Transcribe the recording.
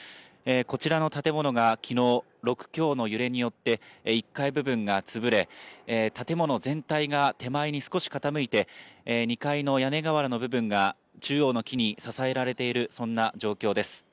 こちらの建物が昨日、６強の揺れによって１階部分がつぶれ建物全体が手前に少し傾いて、２階の屋根瓦の部分が、中央の木に支えられている、そんな状況です。